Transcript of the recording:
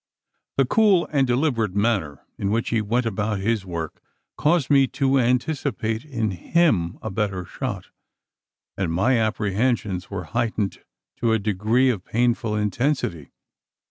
The cool and deliberate manner in which he went about his work, caused me to anticipate in him a better shot; and my apprehensions were heightened to a degree of painful intensity.